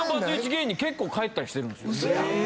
１芸人結構帰ったりしてるんですよ。